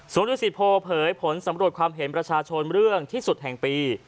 ส่วนดุสิตโพเผยผลสำรวจความเห็นประชาชนเรื่องที่สุดแห่งปี